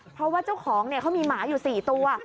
เพราะว่าเจ้าของเขามีหมาอยู่๔ตัว